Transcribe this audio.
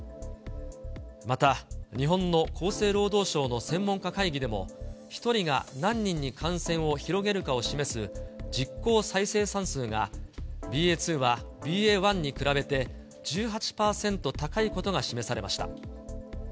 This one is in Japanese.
また、日本の厚生労働省の専門家会議でも、１人が何人に感染を広げるかを示す、実効再生産数がＢＡ．２はＢＡ．１に比べて１８％高いことが示されました。